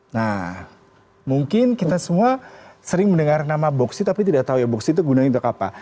nah mungkin kita semua sering mendengar nama boksit tapi tidak tahu ya boksit itu gunanya untuk apa